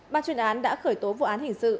ban chuyên án đã khởi tố vụ án hình sự